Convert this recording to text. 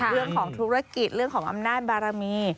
เรื่องของธุรกิจเรื่องของอำนาจบารมี